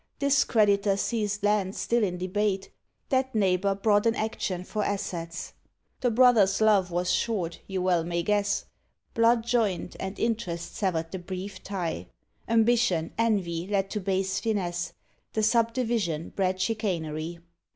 This creditor seized land still in debate; That neighbour brought an action for assets: The brothers' love was short, you well may guess; Blood joined and interest severed the brief tie; Ambition, envy, led to base finesse The subdivision bred chicanery.